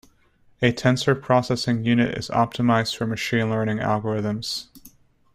A Tensor Processing Unit is optimized for machine learning algorithms.